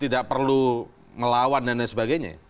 tidak perlu ngelawan dan sebagainya